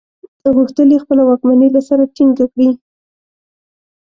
غوښتل یې خپله واکمني له سره ټینګه کړي.